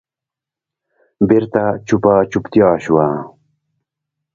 بېرته چوپه چوپتیا شوه.